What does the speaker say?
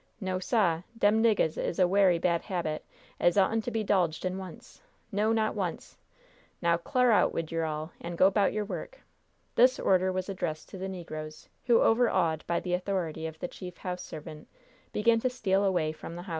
"No, sah. Dem niggahs is a werry bad habit as oughtn't to be 'dulged in once no, not once. Now cl'ar out wid yer all, an' go 'bout yer work." This order was addressed to the negroes, who, overawed by the authority of the chief house servant, began to steal away from the house.